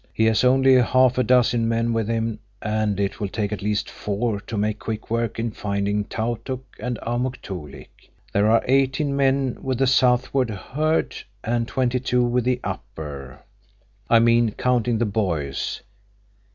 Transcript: "He has only half a dozen men with him, and it will take at least four to make quick work in finding Tautuk and Amuk Toolik. There are eighteen men with the southward herd, and twenty two with the upper. I mean, counting the boys.